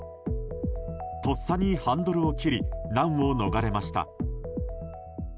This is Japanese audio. とっさにハンドルを切り難を逃れました。